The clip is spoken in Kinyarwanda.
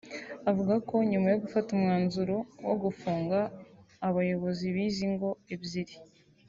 Avuga ko nyuma yo gufata umwanzuro wo gufunga abayobozi b’izi ngo ebyiri